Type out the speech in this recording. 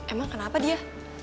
emang kenapa dia